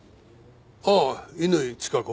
ああ乾チカ子？